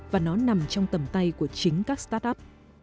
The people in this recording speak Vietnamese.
và nó nằm trong tầm tay của chính các start up